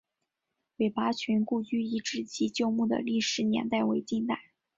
韦拔群故居遗址及旧墓的历史年代为近代。